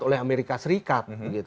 oleh amerika serikat